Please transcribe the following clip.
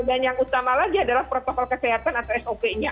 dan yang utama lagi adalah protokol kesehatan atau sop nya